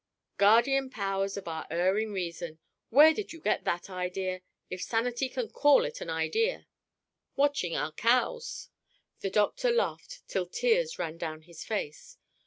"Guardian Powers of our erring reason! Where did you get that idea if sanity can call it an idea?" "Watching our cows." The doctor laughed till tears ran down his face.